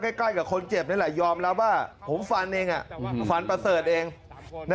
ใกล้กับคนเจ็บนั้นแหละยอมแล้วว่าผมฝันเองฝันประเสริฐเองนะครับ